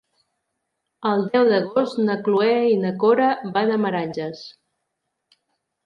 El deu d'agost na Cloè i na Cora van a Meranges.